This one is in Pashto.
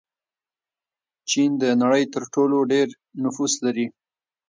چین د نړۍ تر ټولو ډېر نفوس لري.